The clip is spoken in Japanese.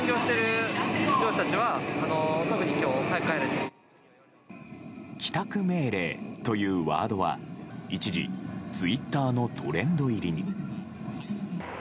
帰宅命令というワードは一時ツイッターのトレンド入りに。